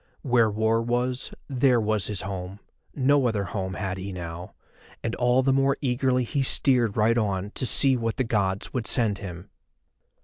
Where war was, there was his home, no other home had he now, and all the more eagerly he steered right on to see what the Gods would send him.